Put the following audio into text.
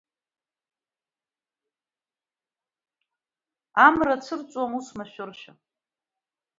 Амра цәырҵуам ус машәыршәа…